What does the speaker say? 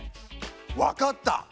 分かった！